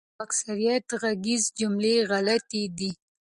ستاسو اکثریت غږیز جملی خلطی دی